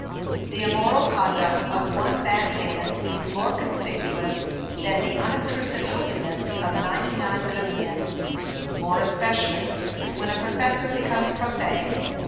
The immoral conduct of one bad man is more conspicuous than the unobtrusive holiness of ninety nine good men; more especially, when a professor becomes profane.